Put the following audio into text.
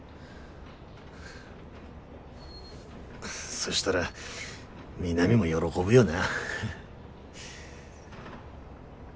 そしたら美波も喜ぶよな。